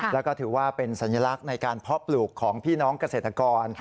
แล้วก็ถือว่าเป็นสัญลักษณ์ในการเพาะปลูกของพี่น้องเกษตรกร